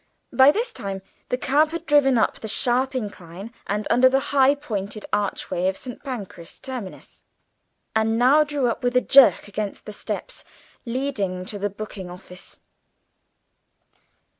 By this time the cab had driven up the sharp incline, and under the high pointed archway of St. Pancras terminus, and now drew up with a jerk against the steps leading to the booking office.